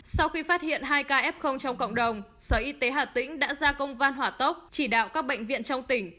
sau khi phát hiện hai ca f trong cộng đồng sở y tế hà tĩnh đã ra công văn hỏa tốc chỉ đạo các bệnh viện trong tỉnh